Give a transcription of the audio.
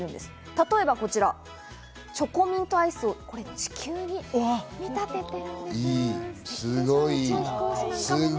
例えばこちら、チョコミントアイスを地球に見立てて。